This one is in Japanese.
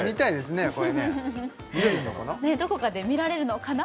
ねっどこかで見られるのかな？